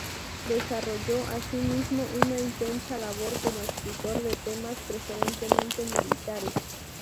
Desarrolló asimismo una intensa labor como escritor de temas preferentemente militares.